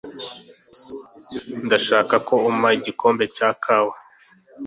Ndashaka ko umpa igikombe cya kawa.